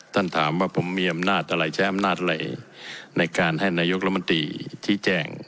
ท่านถามว่าผมมีอำนาจอะไรใช้อำนาจอะไรในการให้นายกรมนตรีชี้แจง